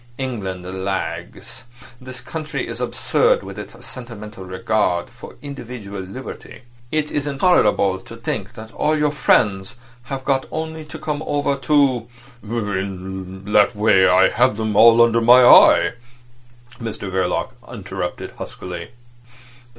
England lags. This country is absurd with its sentimental regard for individual liberty. It's intolerable to think that all your friends have got only to come over to—" "In that way I have them all under my eye," Mr Verloc interrupted huskily.